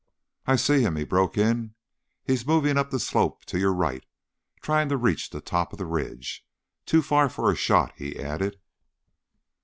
"I see him," he broke in. "He's moving up the slope to your right, trying to reach the top of the ridge. Too far for a shot," he added.